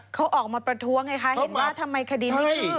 เขาออกมาประท้วงไงคะเห็นไหมทำไมคดีนี้ใช่